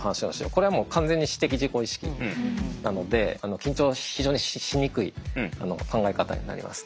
これはもう完全に私的自己意識なので緊張非常にしにくい考え方になります。